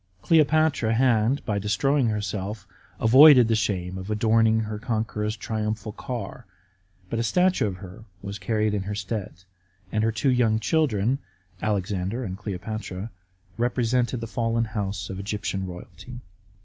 Cleopatra had, by destroying herself, avoided the shame of adorning her conqueror's triumphal car, but a statue of her was carried in her stead, and her two young children, Alexander and Cleopatra, represented the fallen house of Egyptian royalty.